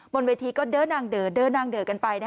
บนเวสีก็เดอะนางเดอะกันไป